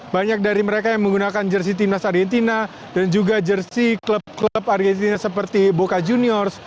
banyak dari mereka yang menggunakan jersi timnas argentina dan juga jersi klub klub argentina seperti boca juniors